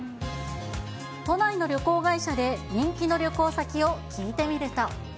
都内の旅行会社で人気の旅行先を聞いてみると。